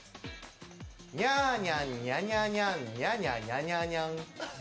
ニャーニャンニャニャンニャニャニャニャニャン。